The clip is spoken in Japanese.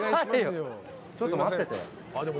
ちょっと待ってて。